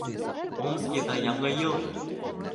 Омскиҙа Яңы йыл!